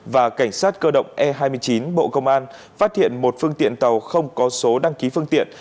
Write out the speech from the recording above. và cảnh sát cơ động e hai mươi chín bộ công an phát hiện một phương tiện tàu không có số đăng ký phương tiện